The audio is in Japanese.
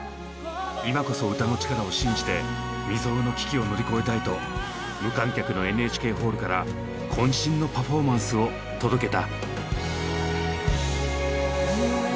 今こそ歌の力を信じて未曽有の危機を乗り越えたいと無観客のＮＨＫホールから渾身のパフォーマンスを届けた。